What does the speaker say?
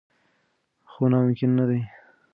خو ناممکن نه دي.